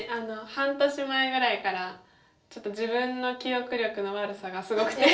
半年前ぐらいからちょっと自分の記憶力の悪さがすごくて。